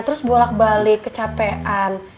terus bolak balik kecapean